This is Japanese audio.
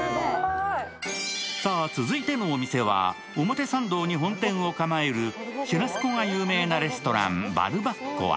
さあ、続いてのお店は表参道に本店を構えるシュラスコが有名なレストラン、バルバッコア。